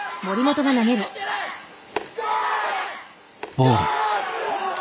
ボール。